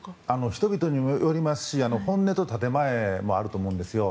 人々にもよりますし本音と建前があると思うんですよ。